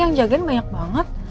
yang jagain banyak banget